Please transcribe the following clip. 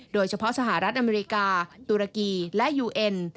สหรัฐอเมริกาตุรกีและยูเอ็น